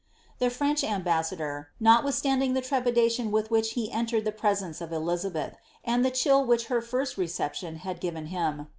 The Frencli ambassador, notnithsunding the Irepidalinn with m he had entered the presence of Elizabeih. and ihe chill which hel reception had gi«en him.